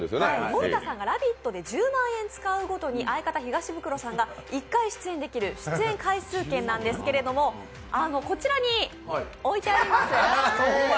森田さんが「ラヴィット！」で１０万円使うごとに、相方・東ブクロさんが１回出演できる出演回数券なんですけれどもこちらに置いてあります。